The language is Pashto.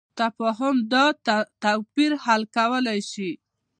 تفاهم دا توپیر حل کولی شي.